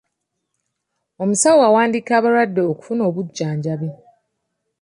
Omusawo awandiika abalwadde okufuna obujjanjabi.